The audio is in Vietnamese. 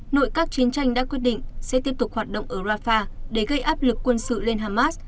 nội các chiến tranh đã quyết định sẽ tiếp tục hoạt động ở rafah để gây áp lực quân sự lên hamas